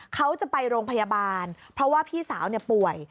เขาจะไปโรงพยาบาลเพราะว่าพี่สาวป่วย